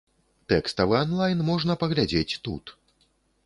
Тэкставы анлайн можна паглядзець тут.